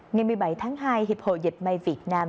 ngày một mươi bảy tháng hai hiệp hội dịch may việt nam